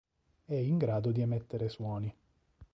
È in grado di emettere suoni.